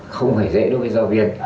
không phải dễ đối với giáo viên